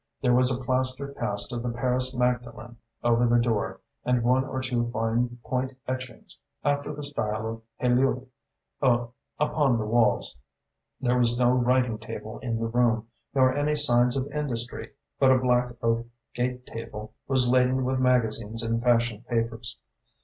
There was a plaster cast of the Paris Magdalene over the door and one or two fine point etchings, after the style of Heillieu, upon the walls. There was no writing table in the room, nor any signs of industry, but a black oak gate table was laden with magazines and fashion papers.